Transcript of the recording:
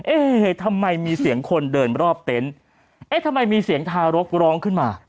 เอ๊ะทำไมมีเสียงคนเดินรอบเต็นต์เอ๊ะทำไมมีเสียงทารกร้องขึ้นมา